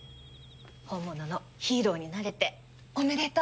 本物のヒーローになれておめでとう！